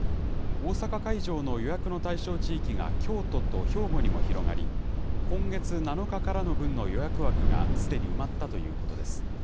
大阪会場の予約の対象地域が京都と兵庫にも広がり、今月７日からの分の予約枠がすでに埋まったということです。